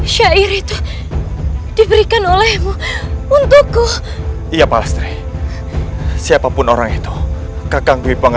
syair itu diberikan olehmu untukku iya siapapun orang itu kakang dwi bangga